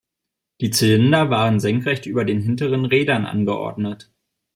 Die Zylinder waren senkrecht über den hinteren Rädern angeordnet.